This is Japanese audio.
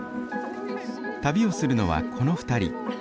旅をするのはこの２人。